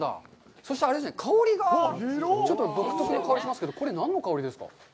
そしてあれですね、香りが、ちょっと独特の香りがしますけど、これは何の香りですか。